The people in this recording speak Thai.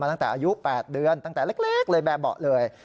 ตั้งแต่อายุ๘เดือนตั้งแต่เล็กเลยแบบเบาะเลย